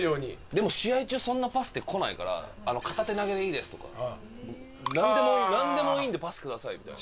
でも試合中そんなパスって来ないから「片手投げでいいです！」とか「なんでもいいんでパスください」みたいな。